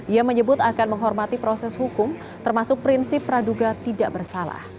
ia menyebut akan menghormati proses hukum termasuk prinsip praduga tidak bersalah